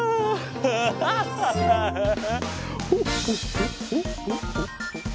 ハハハハハ。